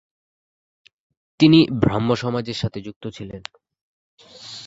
তিনি ব্রাহ্মসমাজের সাথে যুক্ত ছিলেন।